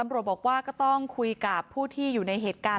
บอกว่าก็ต้องคุยกับผู้ที่อยู่ในเหตุการณ์